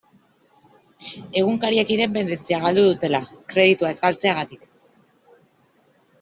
Egunkariek independentzia galdu dutela, kreditua ez galtzegatik.